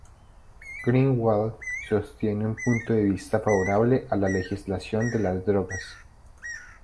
Greenwald sostiene un punto de vista favorable a la legalización de las drogas.